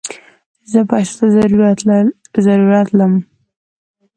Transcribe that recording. زه پيسوته ضرورت لم